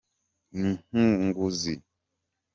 inkuguzi.